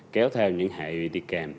kéo theo những hệ đi kèm